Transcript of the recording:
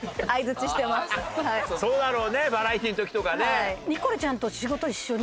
そうだろうねバラエティの時とかね。